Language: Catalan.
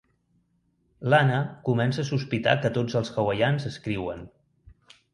L'Anna comença a sospitar que tots els hawaians escriuen.